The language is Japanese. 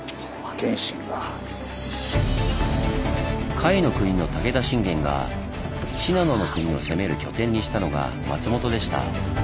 甲斐国の武田信玄が信濃国を攻める拠点にしたのが松本でした。